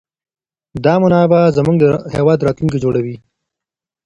دا منابع زموږ د هېواد راتلونکی جوړوي.